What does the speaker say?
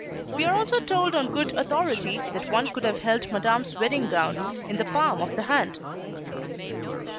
We are also told on good authority that one could have held Madame's wedding gown in the palm of the hand.